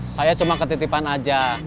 saya cuma ketitipan aja